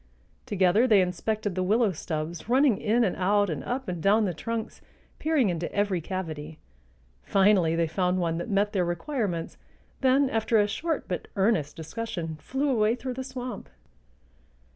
Together they inspected the willow stubs, running in and out and up and down the trunks, peering into every cavity. Finally they found one that met their requirements, then, after a short but earnest discussion, flew away through the swamp.